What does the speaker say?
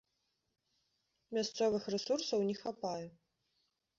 Мясцовых рэсурсаў не хапае.